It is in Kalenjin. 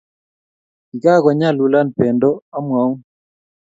Kikakonyalulan Pendo amwaun.